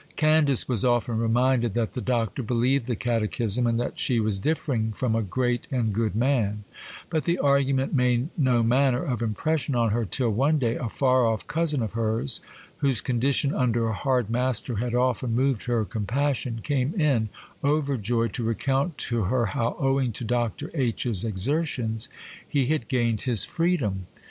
Candace was often reminded that the Doctor believed the Catechism, and that she was differing from a great and good man; but the argument made no manner of impression on her, till, one day, a far off cousin of hers, whose condition under a hard master had often moved her compassion, came in overjoyed to recount to her how, owing to Dr. H.'s exertions, he had gained his freedom.